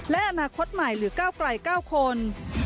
และอนาคตใหม่หรือก้าวไกล๙คน